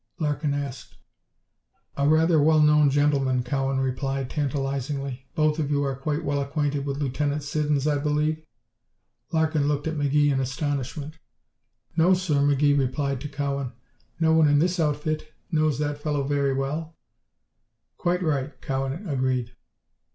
Larkin asked. "A rather well known gentleman," Cowan replied, tantalizingly. "Both of you are quite well acquainted with Lieutenant Siddons, I believe?" Larkin looked at McGee in astonishment. "No, sir," McGee replied to Cowan, "no one in this outfit knows that fellow very well." "Quite right," Cowan agreed.